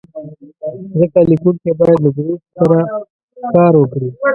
ځکه لیکونکی باید له ګروپ سره کار وکړي.